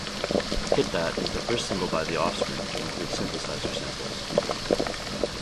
"Hit That" is the first single by The Offspring to include synthesizer samples.